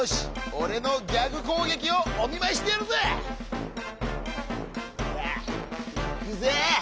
おれのギャグこうげきをおみまいしてやるぜ！いくぜ！